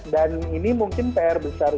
dan ini mungkin pr besar